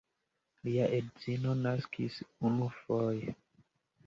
Lia edzino naskis unufoje.